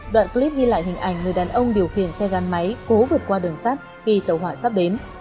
đoạn clip ghi lại hình ảnh người đàn ông điều khiển xe gắn máy cố vượt qua đường sắt khi tàu hỏa sắp đến